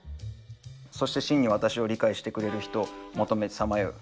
そして真に私を理解してくれる人を求めさまよう。